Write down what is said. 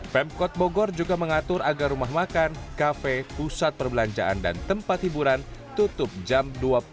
pemkot bogor juga mengatur agar rumah makan kafe pusat perbelanjaan dan tempat hiburan tutup jam dua puluh